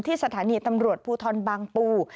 สถานีตำรวจภูทรบางปู